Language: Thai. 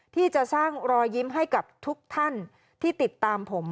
ที่จะสร้างรอยยิ้มให้กับทุกท่านที่ติดตามผม